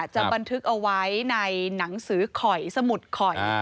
บันทึกเอาไว้ในหนังสือข่อยสมุดข่อย